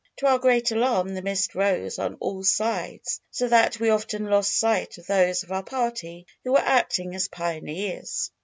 To our great alarm the mist rose on all sides so that we often lost sight of those of our party who were acting as pioneers.